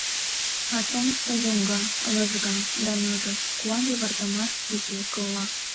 А чонышто йоҥга, лыжга да ныжыл, Куан-йывыртымаш, кӱсле кылла.